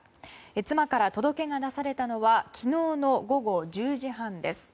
妻から届けがなされたのは昨日の午後１０時半です。